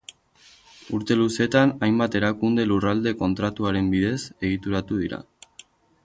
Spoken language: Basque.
Urte luzetan, hainbat erakunde Lurralde Kontratuaren bidez egituratu dira.